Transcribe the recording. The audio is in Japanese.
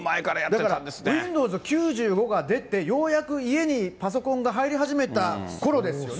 だからウィンドウズ９５が出て、ようやく家にパソコンが入り始めたころですよね。